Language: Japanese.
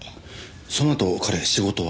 そのあと彼仕事は？